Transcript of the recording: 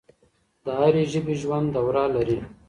هر ژبې ژوند دوره لري.